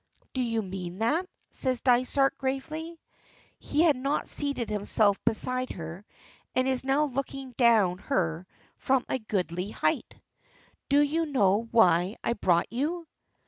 "Do you mean that?" says Dysart, gravely. He had not seated himself beside her, and is now looking down her from a goodly height. "Do you know why I brought you?"